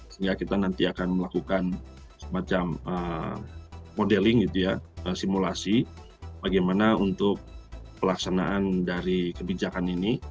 sehingga kita nanti akan melakukan semacam modeling gitu ya simulasi bagaimana untuk pelaksanaan dari kebijakan ini